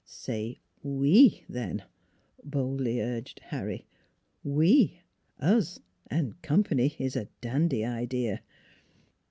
" Say we then," boldly urged Harry. " We, us, and company is a dandy idea."